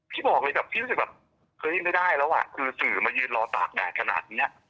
บอกเลยแบบพี่รู้สึกแบบเฮ้ยไม่ได้แล้วอ่ะคือสื่อมายืนรอตากแดดขนาดเนี้ย